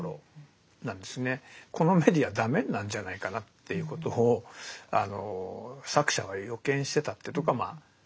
このメディアダメになるんじゃないかなっていうことを作者は予見してたっていうとこがまあ。